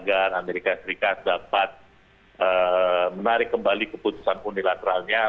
agar amerika serikat dapat menarik kembali keputusan unilateralnya